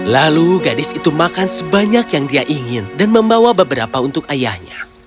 lalu gadis itu makan sebanyak yang dia ingin dan membawa beberapa untuk ayahnya